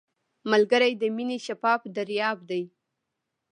ملګری د مینې شفاف دریاب دی